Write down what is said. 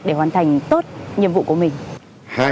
để hoàn thành tốt nhiệm vụ của mình